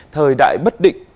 thời đại bất định